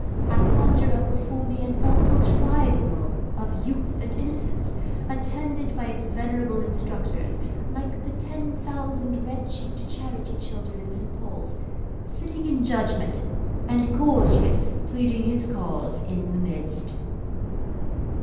I conjure up before me an awful tribunal of youth and innocence, attended by its venerable instructors (like the ten thousand red cheeked charity children in Saint Paul's), sitting in judgment, and Gorgius pleading his cause in the midst.